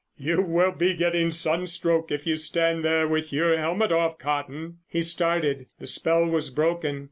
"You will be getting sunstroke if you stand there with your helmet off, Cotton." He started—the spell was broken.